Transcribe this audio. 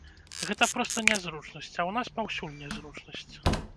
Гэта проста нязручнасць, а ў нас паўсюль нязручнасць.